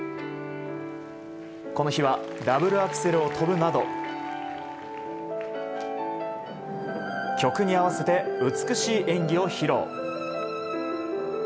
この日はダブルアクセルを跳ぶなど曲に合わせて美しい演技を披露。